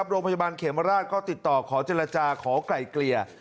โรงพยาบาลเขมราชก็ติดต่อขอเจรจาขอไกลเกลี่ย